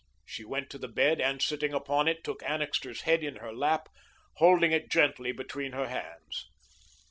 She went to the bed, and sitting upon it, took Annixter's head in her lap, holding it gently between her hands.